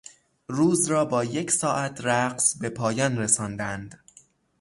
روز را با یک ساعت رقص به پایان رساندند.